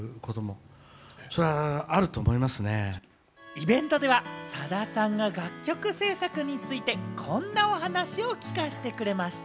イベントでは、さださんが楽曲制作についてこんなお話を聞かせてくれました。